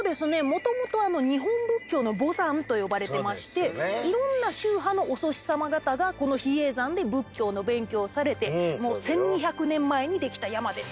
元々日本仏教の母山と呼ばれてまして色んな宗派のお祖師様方がこの比叡山で仏教の勉強をされて１２００年前にできた山です。